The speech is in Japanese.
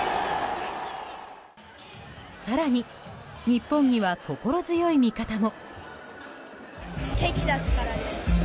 更に、日本には心強い味方も。